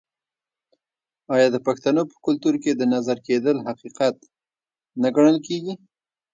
آیا د پښتنو په کلتور کې د نظر کیدل حقیقت نه ګڼل کیږي؟